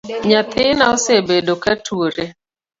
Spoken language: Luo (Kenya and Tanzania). Nyathina osebedo ka tuore